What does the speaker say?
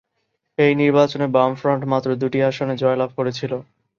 এই নির্বাচনে বামফ্রন্ট মাত্র দুটি আসনে জয়লাভ করেছিল।